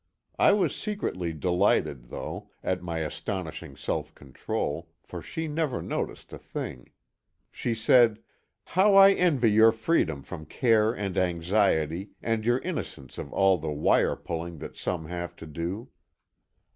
I was secretly delighted, though, at my astonishing self control, for she never noticed a thing. She said: "How I envy your freedom from care and anxiety, and your innocence of all the wire pulling that some have to do."